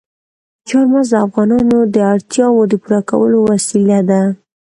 چار مغز د افغانانو د اړتیاوو د پوره کولو وسیله ده.